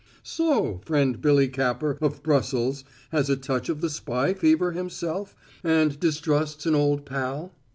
"So? Friend Billy Capper, of Brussels, has a touch of the spy fever himself, and distrusts an old pal?"